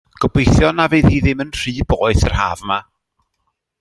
Gobeithio na fydd hi ddim yn rhy boeth yr haf yma.